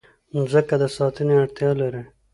مځکه د ساتنې اړتیا لري.